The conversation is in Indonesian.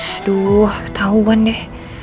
aduh ketahuan deh